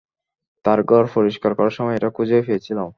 তার ঘর পরিষ্কার করার সময় এটা খুঁজে পেয়েছিলাম।